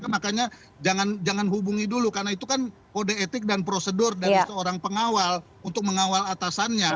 makanya jangan hubungi dulu karena itu kan kode etik dan prosedur dari seorang pengawal untuk mengawal atasannya